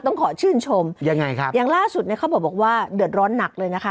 ต้องขอชื่นชมยังไงครับอย่างล่าสุดเนี่ยเขาบอกว่าเดือดร้อนหนักเลยนะคะ